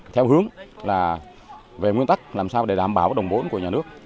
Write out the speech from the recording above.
theo hướng là về nguyên tắc làm sao để đảm bảo đồng vốn của nhà nước